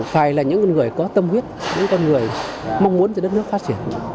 phải là những người có tâm huyết những con người mong muốn cho đất nước phát triển